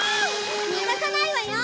逃がさないわよ！